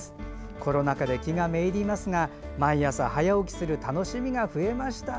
コロナ禍で気が滅入りますが毎朝、早起きする楽しみが増えました。